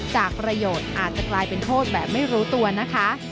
จากประโยชน์อาจจะกลายเป็นโทษแบบไม่รู้ตัวนะคะ